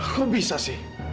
kok bisa sih